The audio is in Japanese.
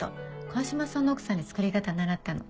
川島さんの奥さんに作り方習ったの。